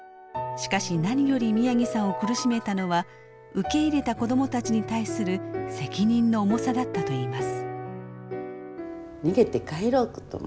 しかし何より宮城さんを苦しめたのは受け入れた子どもたちに対する責任の重さだったといいます。